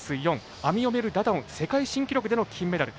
アミオメル・ダダオン世界新記録での金メダル。